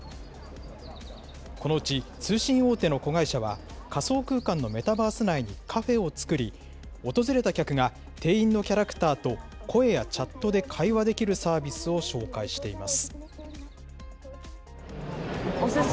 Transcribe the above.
このうち通信大手の子会社は、仮想空間のメタバース内にカフェを作り、訪れた客が店員のキャラクターと声やチャットで会話できるサービスを紹介しています。